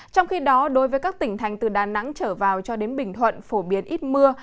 trong khi đó đối với các tỉnh thành từ đà nẵng trở vào cho đến bình thuận phổ biến ít mưa